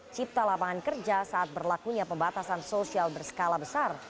cipta lapangan kerja saat berlakunya pembatasan sosial berskala besar